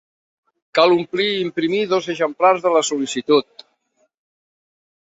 Cal omplir i imprimir dos exemplars de la sol·licitud.